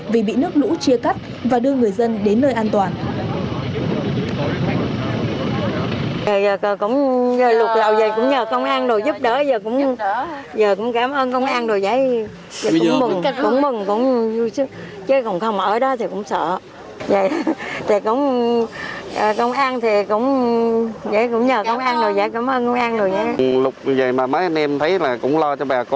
vì bị nước lũ chia cắt và đưa người dân không thể ra ngoài để mua lương thực